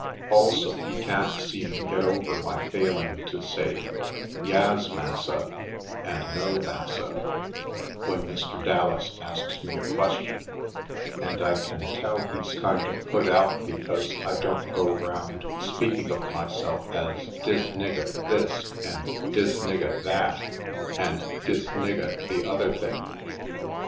Also, he can't seem to get over my failing to say "Yas, Massa" and "No, Massa" when Mr. Dallas asks me a question ; and I can tell he's kind of put out because I don't go round speak ing of myself as "dis nigga" this and "dis nigga" that and "dis nigga" the other thing.